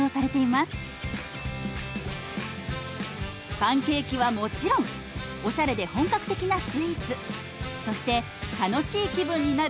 パンケーキはもちろんおしゃれで本格的なスイーツそして楽しい気分になる